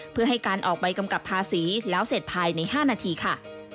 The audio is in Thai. เพื่อให้การออกใบกำกับภาษีแล้วเสร็จภายใน๕นาทีค่ะ